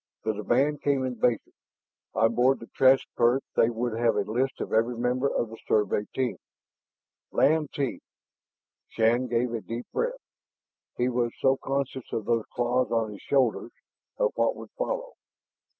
The demand came in basic. On board the transport they would have a list of every member of the Survey team. "Lantee." Shann drew a deep breath. He was so conscious of those claws on his shoulders, of what would follow.